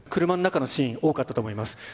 車の中のシーン、多かったと思います。